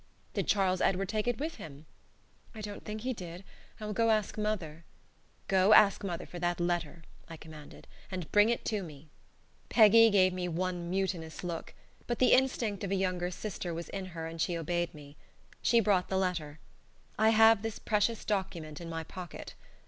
"Did Charlies Edward take it with him?" "I don't think he did. I will go ask mother." "Go ask mother for that letter," I commanded, "and bring it to me." Peggy gave me one mutinous look, but the instinct of a younger sister was in her and she obeyed me. She brought the letter. I have this precious document in my pocket.